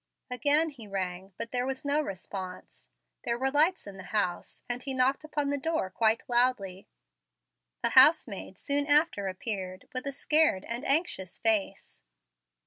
Again he rang, but there was no response. There were lights in the house, and he knocked upon the door quite loudly. A housemaid soon after appeared, with a scared and anxious face.